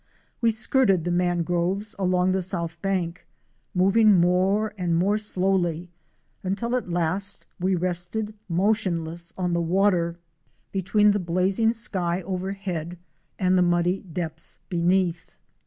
We skirted the mangroves along the south bank, moving more and more slowly, until at last we rested motionless on the water, between the blazing 6 OUR SEARCH FOR A WILDERNESS. sky overhead and the muddy depths beneath.